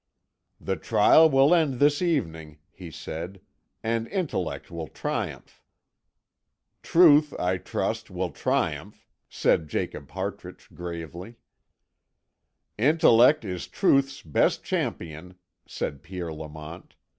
"The trial will end this evening," he said, "and intellect will triumph." "Truth, I trust, will triumph," said Jacob Hartrich, gravely. "Intellect is truth's best champion," said Pierre Lamont.